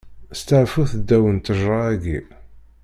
Steɛfut ddaw n ttejṛa-agi.